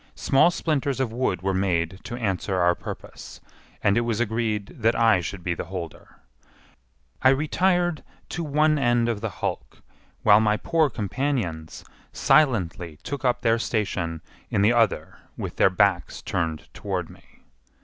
Small splinters of wood were made to answer our purpose, and it was agreed that I should be the holder. I retired to one end of the hulk, while my poor companions silently took up their station in the other with their backs turned toward me.